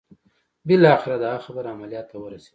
بالاخره د هغه خبره عمليات ته ورسېده.